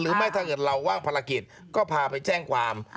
ถ้าเกิดเราว่างภารกิจก็พาไปแจ้งความ